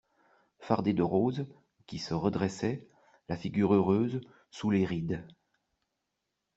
Fardé de rose, qui se redressait, la figure heureuse, sous les rides.